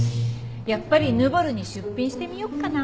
やっぱりヌボルに出品してみようかな。